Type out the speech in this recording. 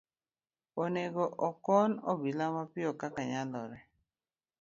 Onego okon obila mapiyo kaka nyalore.